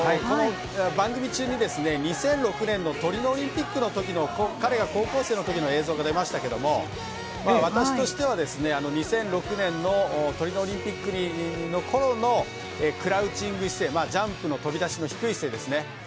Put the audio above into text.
番組中に２００６年のトリノオリンピックの彼が高校生の時の映像が出ましたが私としては、２００６年のトリノオリンピックのころのクラウチング姿勢ジャンプの飛び出しの低い姿勢ですね。